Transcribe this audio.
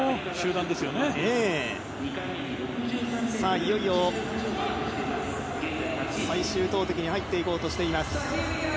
いよいよ最終投てきに入って行こうとしています。